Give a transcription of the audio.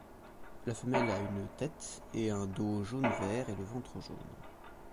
La femelle a une tête et un dos jaune-vert et le ventre jaune.